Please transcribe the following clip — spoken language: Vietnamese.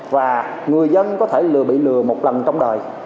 và người dân có thể lừa bị lừa một lần trong đời